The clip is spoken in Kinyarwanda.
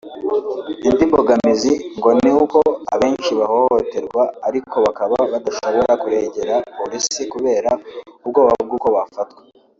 Indi mbogamizi ngo ni uko abenshi bahohoterwa ariko bakaba badashobora kuregera polisi kubera ubwoba bw’uko bafatwa